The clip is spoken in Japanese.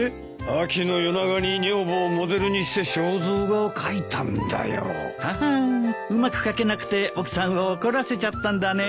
秋の夜長に女房をモデルにして肖像画を描いたんだよ。ははーんうまく描けなくて奥さんを怒らせちゃったんだね。